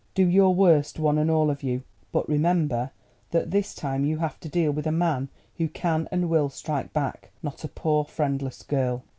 Do your worst, one and all of you, but remember that this time you have to deal with a man who can and will strike back, not a poor friendless girl."